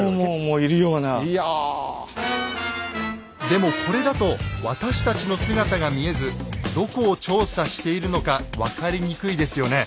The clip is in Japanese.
でもこれだと私たちの姿が見えずどこを調査しているのか分かりにくいですよね。